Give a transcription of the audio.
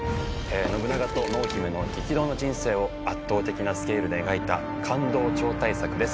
信長と濃姫の激動の人生を圧倒的なスケールで描いた感動超大作です。